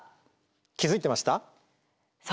気付いてました？